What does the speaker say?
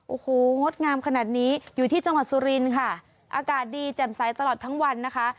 โอ้โหงดงามขนาดนี้อยู่ที่จังหวัดสุรินค่ะอากาศดีแจ่มใสตลอดทั้งวันนะคะ